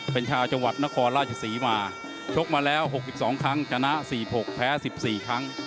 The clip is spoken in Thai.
เป็นชาวจังหวัดนครราชศรีมาชกมาแล้ว๖๒ครั้งชนะ๔๖แพ้๑๔ครั้ง